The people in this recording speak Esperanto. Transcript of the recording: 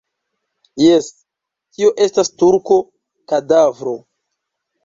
Jes, tio estas turko, kadavro.